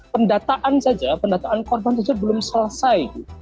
pendataan saja pendataan korban itu belum selesai